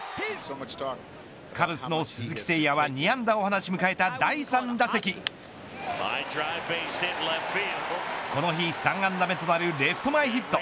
カブスの鈴木誠也は２安打を放ち迎えた第３打席この日３安打目となるレフト前ヒット。